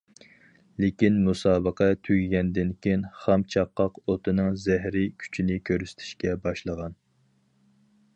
لېكىن مۇسابىقە تۈگىگەندىن كېيىن، خام چاققاق ئوتنىڭ زەھىرى كۈچىنى كۆرسىتىشكە باشلىغان.